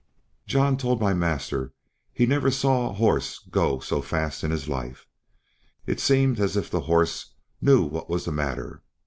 John told my master he never saw a horse go so fast in his life. It seems as if the horse knew what was the matter.